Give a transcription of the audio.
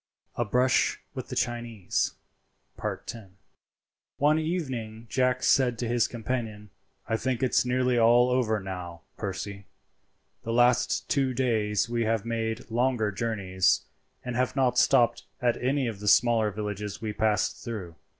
A BRUSH WITH THE CHINESE.—X. One evening Jack said to his companion, "I think it's nearly all over now, Percy. The last two days we have made longer journeys, and have not stopped at any of the smaller villages we passed through.